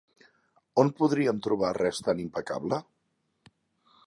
On podríem trobar res tan impecable?